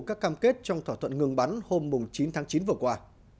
các cam kết trong thỏa thuận ngừng bắn hôm chín tháng chín vừa qua